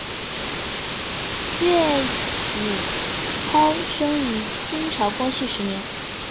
乐景涛生于清朝光绪十年。